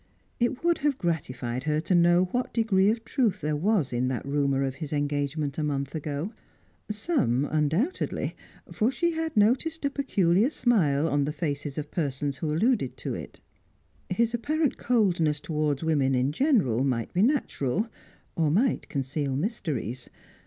It would have gratified her to know what degree of truth there was in that rumour of his engagement a month ago; some, undoubtedly, for she had noticed a peculiar smile on the faces of persons who alluded to it. His apparent coldness towards women in general might be natural, or might conceal mysteries.